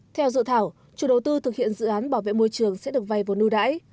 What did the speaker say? theo dự thảo chủ đầu tư thực hiện dự án bảo vệ môi trường sẽ được vay vốn ưu đãi